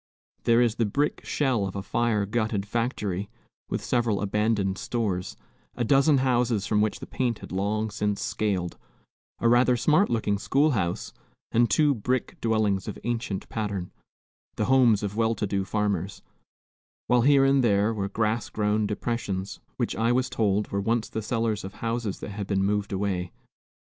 There is the brick shell of a fire gutted factory, with several abandoned stores, a dozen houses from which the paint had long since scaled, a rather smart looking schoolhouse, and two brick dwellings of ancient pattern, the homes of well to do farmers; while here and there were grass grown depressions, which I was told were once the cellars of houses that had been moved away.